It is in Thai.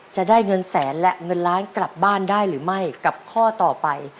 จะได้เงินแสนละเงินล้านกลับบ้านได้หรือไม่